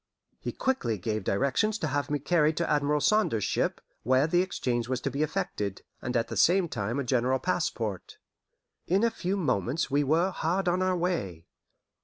He quickly gave directions to have me carried to Admiral Saunders's ship, where the exchange was to be effected, and at the same time a general passport. In a few moments we were hard on our way.